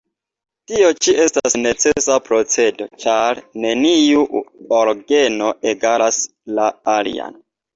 Tio ĉi estas necesa procedo, ĉar neniu orgeno egalas la alian.